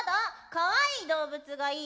かわいい動物がいい！